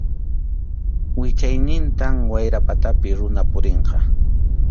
Wichaynintam wayra patapi runa purinqa.